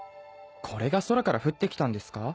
これが空から降ってきたんですか？